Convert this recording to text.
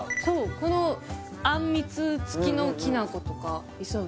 このあんみつつきのきなことかいそべ